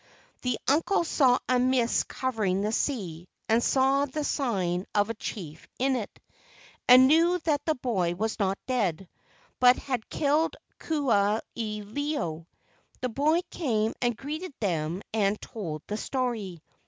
The uncle saw a mist covering the sea and saw the sign of a chief in it, and knew that the boy was not dead, but had killed Ku aha ilo. The boy came and greeted them and told the story.